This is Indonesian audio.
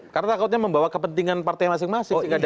karena takutnya membawa kepentingan partai masing masing